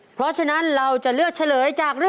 เพราะฉะนั้นเราจะเลือกเฉลยจาก